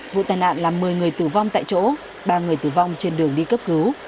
vụ tai nạn làm một mươi người tử vong tại chỗ ba người tử vong trên đường đi cấp cứu